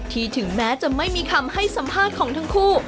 ถึงแม้จะไม่มีคำให้สัมภาษณ์ของทั้งคู่